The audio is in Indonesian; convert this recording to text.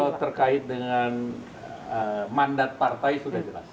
kalau terkait dengan mandat partai sudah jelas